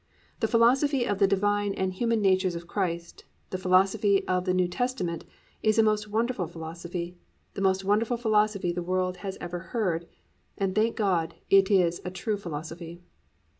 The philosophy of the divine and human natures of Christ, the philosophy of the New Testament, is a most wonderful philosophy, the most wonderful philosophy the world ever heard, and thank God it is a true philosophy.